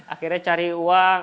akhirnya cari uang